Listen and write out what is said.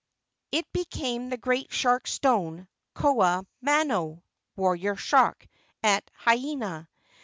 It became the great shark stone, Koa mano (warrior shark), at Haena.